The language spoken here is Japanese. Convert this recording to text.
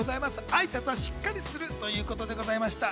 あいさつをしっかりするということでした。